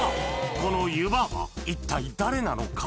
この湯婆婆一体誰なのか？